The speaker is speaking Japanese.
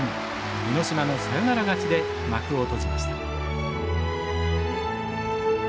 箕島のサヨナラ勝ちで幕を閉じました。